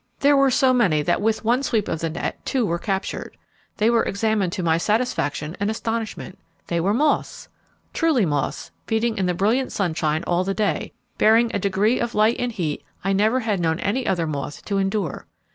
There were so many that with one sweep of the net two were captured. They were examined to my satisfaction and astonishment. They were moths! Truly moths, feeding in the brilliant sunshine all the day; bearing a degree of light and heat I never had known any other moth to endure.